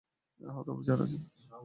আহত অফিসার আছেন!